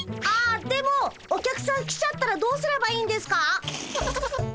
ああでもお客さん来ちゃったらどうすればいいんですか？